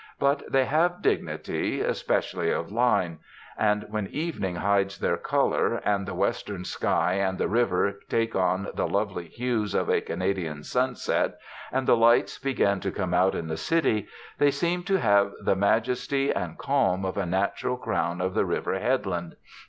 But they have dignity, especially of line; and when evening hides their colour, and the western sky and the river take on the lovely hues of a Canadian sunset, and the lights begin to come out in the city, they seem to have the majesty and calm of a natural crown of the river headland.